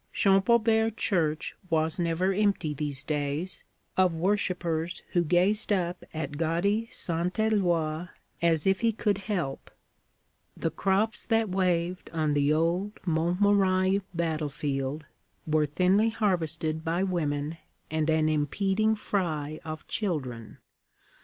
Champaubert church was never empty, these days, of worshipers who gazed up at gaudy St. Eloi as if he could help. The crops that waved on the old Montmirail battlefield were thinly harvested by women and an impeding fry of children.